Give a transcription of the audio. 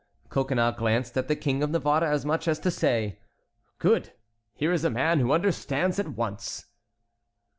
Coconnas glanced at the King of Navarre as much as to say: "Good! Here is a man who understands at once."